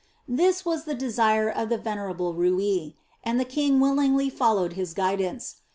This was the desire of the venerable Rui, and the king willingly followed his guidance.